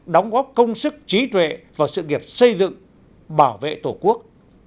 đóng góp công sức trí tuệ vào sự nghiệp xây dựng bảo vệ tổ quốc